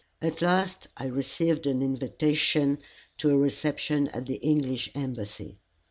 At last I received an invitation to a reception at the English Embassy.